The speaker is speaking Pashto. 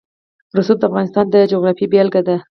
رسوب د افغانستان د جغرافیې بېلګه ده.